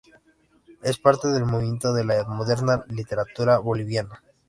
Es parte del movimiento de la moderna literatura boliviana.